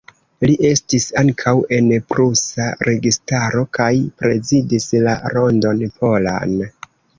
Li estis ankaŭ en prusa registaro kaj prezidis la Rondon Polan.